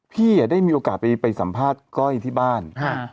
พี่ได้มีโอกาสไปสัมภาษณ์ก้อยที่บ้าน